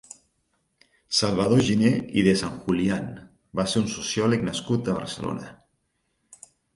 Salvador Giner i de San Julián va ser un sociòleg nascut a Barcelona.